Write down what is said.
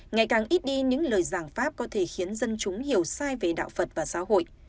ngày càng ít đi những lời giảng pháp có thể khiến dân chúng hiểu sai về đạo phật và xã hội